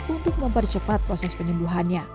untuk mempercepat proses penyembuhannya